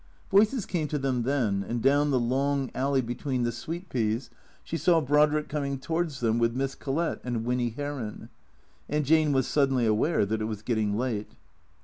Voices came to them then, and down the long alley between the sweet peas she saw Brodrick coming towards them with Miss Collett and Winny Heron; and Jane was suddenly aware that it was getting late.